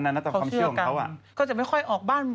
เดี๋ยวอาจจะมีข่าว